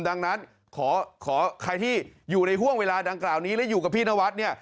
ดังนั้นขอใครที่อยู่ในห่วงเวลาดังกล่าวนี้และอยู่กับพี่นวัดเนี่ย